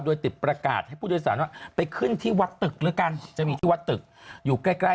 โดยติดประกาศให้ผู้โดยสารว่าไปขึ้นที่วัดตึกด้วยกัน